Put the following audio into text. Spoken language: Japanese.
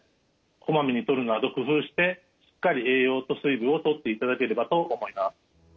こまめにとるなど工夫してしっかり栄養と水分をとっていただければと思います。